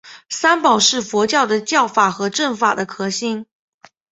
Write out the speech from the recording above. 三宝是佛教的教法和证法的核心。